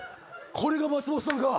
これが松本さんか！